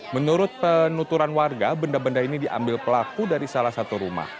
menurut penuturan warga benda benda ini diambil pelaku dari salah satu rumah